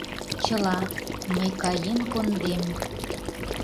Чыла, мый каен кондем.